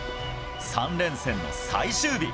３連戦の最終日。